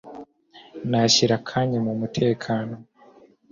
nashyira akanya mumutekano